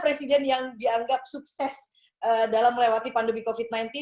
presiden yang dianggap sukses dalam melewati pandemi covid sembilan belas